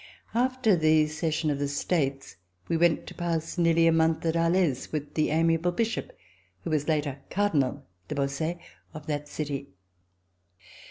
After the session of the States we went to pass nearly a month at Alais, with the amiable Bishop, who was later Cardinal de Bausset of that city.